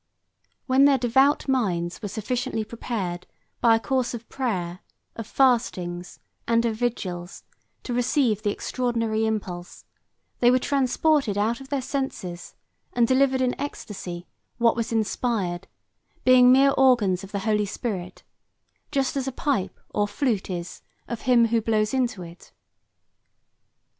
When their devout minds were sufficiently prepared by a course of prayer, of fasting, and of vigils, to receive the extraordinary impulse, they were transported out of their senses, and delivered in ecstasy what was inspired, being mere organs of the Holy Spirit, just as a pipe or flute is of him who blows into it.